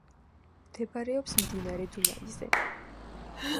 მდებარეობს მდინარე დუნაიზე.